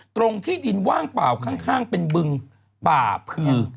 ตรงที่ดินว่างเปล่าข้างเป็นบึงป่าพือ